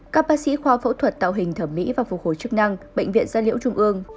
các bác sĩ khoa phẫu thuật tạo hình thẩm mỹ và phục hồi chức năng bệnh viện gia liễu trung ương